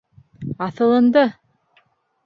Аҫылынды!